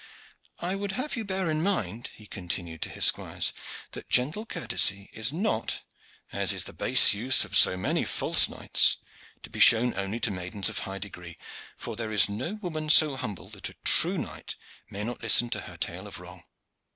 "I would have you bear in mind," he continued to his squires, "that gentle courtesy is not, as is the base use of so many false knights, to be shown only to maidens of high degree, for there is no woman so humble that a true knight may not listen to her tale of wrong.